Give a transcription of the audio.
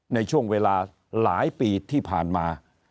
ในช่วงเวลาหลายปีที่ผ่านมา